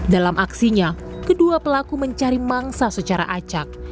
dalam aksinya kedua pelaku mencari mangsa secara acak